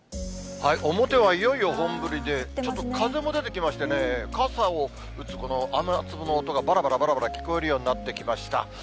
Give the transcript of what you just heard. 表はいよいよ本降りで、ちょっと風も出てきましてね、傘を打つ雨粒の音が、ばらばらばらばら聞こえるようになってきました。